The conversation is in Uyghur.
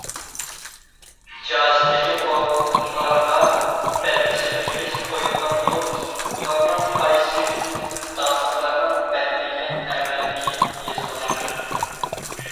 جازىدىكى قوللارغا بەلگە سېلىپ ئېسىپ قويۇلغان بولۇپ، ئۇلارنىڭ قايسى داڭلىقلارنىڭ بەدىنىگە تەۋەلىكى يېزىلغان.